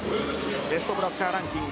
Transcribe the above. ベストブロッカーランキング